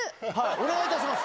お願いいたします。